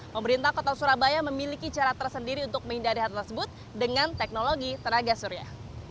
pemerintah kota surabaya memiliki cara tersendiri untuk menghindari hal tersebut dengan teknologi tenaga surya